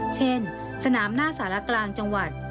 เช่นสนามหน้าสารกลางจังหวัด